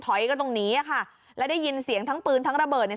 ถอยก็ตรงนี้อะค่ะแล้วได้ยินเสียงทั้งปืนทั้งระเบิดใน